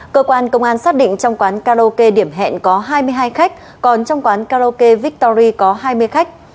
cơ quan công an xác định trong quán karaoke điểm hẹn có hai mươi hai khách còn trong quán karaoke victory có hai mươi khách